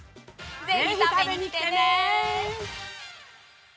ぜひ食べに来てね！